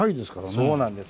そうなんです。